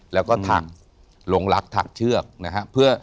แล้วก็ถักลงรักถักเชือกนะฮะเพื่อ